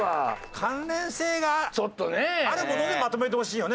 関連性があるものでまとめてほしいよね。